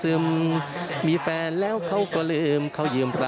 และก็มีการกินยาละลายริ่มเลือดแล้วก็ยาละลายขายมันมาเลยตลอดครับ